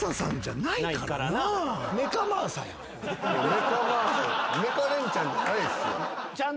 メカ真麻メカレンチャンじゃないっすよ。